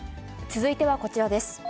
続いてはこちらです。